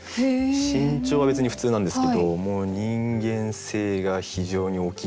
身長は別に普通なんですけどもう人間性が非常に大きい。